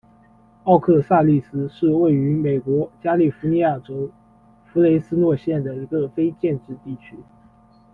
奥克萨利斯是位于美国加利福尼亚州弗雷斯诺县的一个非建制地区。